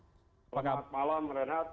selamat malam renat